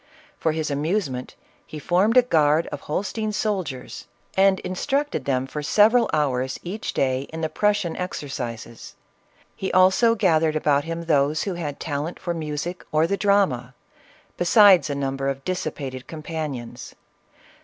For his amusement he formed a guard of Holstein soldiers, and instructed them for several hours, each day, in the Prussian exercises. He also gathered about him those who had talent for music or the drama, besides a number of dissipated companions.